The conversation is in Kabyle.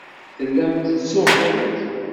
Tellamt tettsuɣumt.